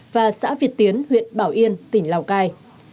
và xã việt tiến huyện bảo yên tỉnh lào cai